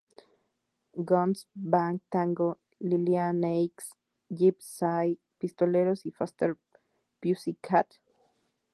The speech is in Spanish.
Guns, Bang Tango, Lillian Axe, Gypsy Pistoleros y Faster Pussycat.